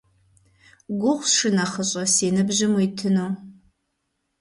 Гугъущ, шынэхъыщӀэ, си ныбжьым уитыну.